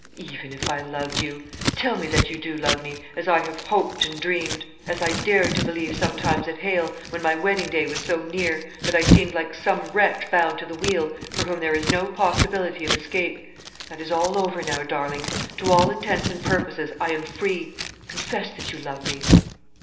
"Even if I loved you. Tell me that you do love me as I have hoped and dreamed as I dared to believe sometimes at Hale, when my wedding day was so near, that I seemed like some wretch bound to the wheel, for whom there is no possibility of escape. That is all over now, darling. To all intents and purposes I am free. Confess that you love me."